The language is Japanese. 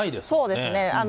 そうですね。